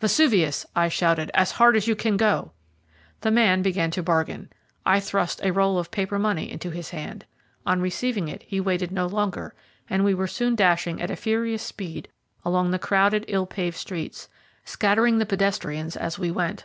"Vesuvius," I shouted, "as hard as you can go." The man began to bargain. I thrust a roll of paper money into his hand. On receiving it he waited no longer, and we were soon dashing at a furious speed along the crowded, ill paved streets, scattering the pedestrians as we went.